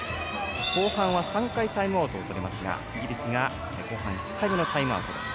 後半は３回タイムアウトをとれますがイギリスが後半１回目のタイムアウト。